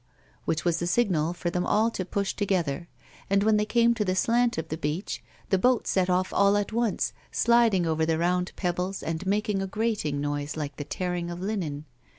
" which was the signal for them all to push together, and when they came to the slant of the beach, the boat set off all at once, sliding over the round pebbles, and making a grating noise like the tearing of linen.